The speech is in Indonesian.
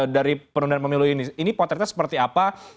dari penundaan pemilu ini ini potretnya seperti apa